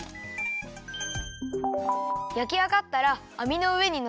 やきあがったらあみのうえにのせてさますよ。